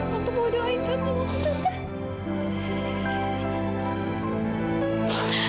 tante mau doain ke mama tante